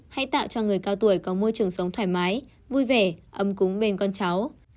hãy tạo cho người cao tuổi có môi trường sống thoải mái vui vẻ ấm cúng bên con cháu